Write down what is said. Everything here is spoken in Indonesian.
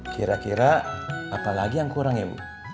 kira kira apa lagi yang kurang ya bu